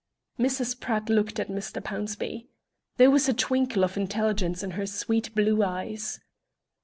Mrs. Pratt looked at Mr. Pownceby. There was a twinkle of intelligence in her sweet blue eyes.